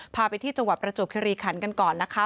พาไปที่จังหวัดประจวบคิริขันกันก่อนนะคะ